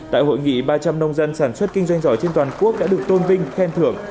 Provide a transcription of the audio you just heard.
tại hội nghị ba trăm linh nông dân sản xuất kinh doanh giỏi trên toàn quốc đã được tôn vinh khen thưởng